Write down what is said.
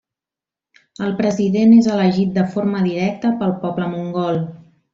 El president és elegit de forma directa pel poble mongol.